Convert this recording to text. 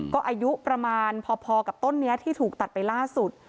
ก็อายุประมาณพอกับต้นนี้ที่ถูกตัดไปล่าสุด